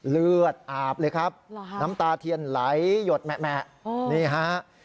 เลือดอาบเลยครับน้ำตาเทียนไหลหยดแหมะนี่ฮะ